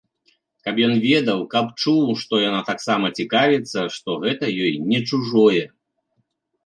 Каб ён ведаў, каб чуў, што яна таксама цікавіцца, што гэта ёй не чужое.